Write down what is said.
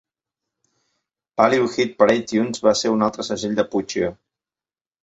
Value Hit Parade Tunes va ser un altre segell de Puccio.